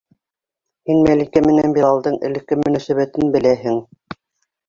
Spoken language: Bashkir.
Һин Мәликә менән Билалдың элекке мөнәсәбәтен беләһең...